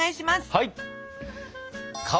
はい。